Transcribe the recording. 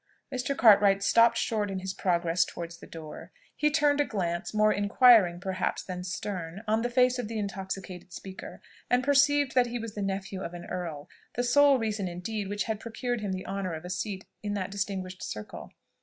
Mr. Cartwright stopped short in his progress towards the door. He turned a glance, more inquiring perhaps than stern, on the face of the intoxicated speaker, and perceived that he was the nephew of an earl; the sole reason indeed which had procured him the honour of a seat in that distinguished circle.